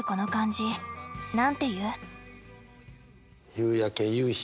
夕焼け夕日